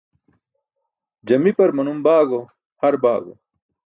Jamipar manum baago har baago.